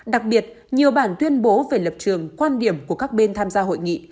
đặc biệt nhiều bản tuyên bố về lập trường quan điểm của các bên tham gia hội nghị